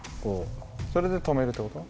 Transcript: それでとめるってこと？